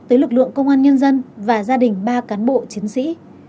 tới lực lượng công an nhân dân và gia đình ba cán bộ chiến sĩ